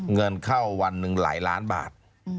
เงินเข้าวันหนึ่งหลายล้านบาท